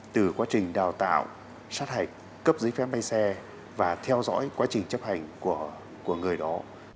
từ quá trình đào tạo sát hạch cấp giấy phép bay xe và theo dõi quá trình chấp hành của người đó